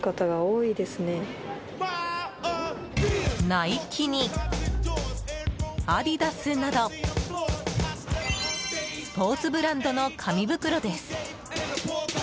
ナイキにアディダスなどスポーツブランドの紙袋です。